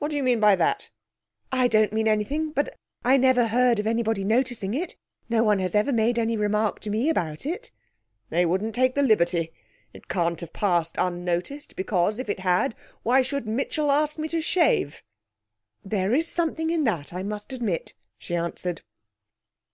'What do you mean by that?' 'I don't mean anything. But I never heard of anybody noticing it. No one has ever made any remark to me about it.' 'They wouldn't take the liberty. It can't have passed unnoticed, because, if it had, why should Mitchell ask me to shave?' 'There is something in that, I must admit,' she answered.